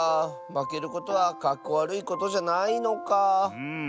まけることはかっこわるいことじゃないのか。